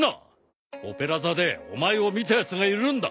オペラ座でお前を見たやつがいるんだ。